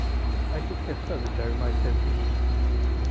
I should have thought there might have been.